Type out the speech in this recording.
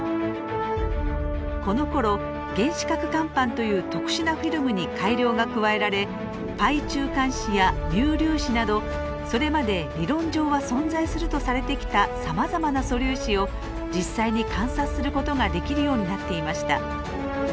このころ原子核乾板という特殊なフィルムに改良が加えられパイ中間子やミュー粒子などそれまで理論上は存在するとされてきたさまざまな素粒子を実際に観察することができるようになっていました。